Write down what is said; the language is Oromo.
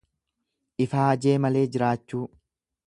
Ifaajee malee jiraachuu.